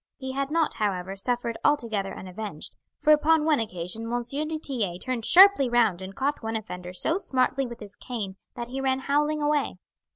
He had not, however, suffered altogether unavenged, for upon one occasion M. du Tillet turned sharply round and caught one offender so smartly with his cane that he ran howling away.